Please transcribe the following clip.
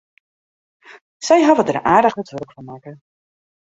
Se hawwe der aardich wat wurk fan makke.